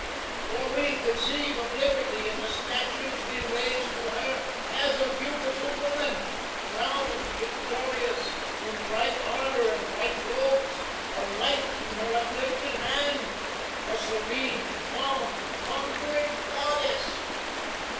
"For we conceive of Liberty in the statues we raise to her as a beautiful woman, crowned, victorious, in bright armour and white robes, a light in her uplifted hand a serene, calm, conquering goddess.